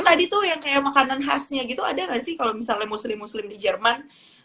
tadi tuh yang kayak makanan khasnya gitu ada nggak sih kalau misalnya muslim muslim di jerman